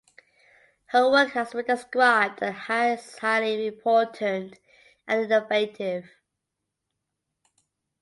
Her work has been described as highly important and innovative.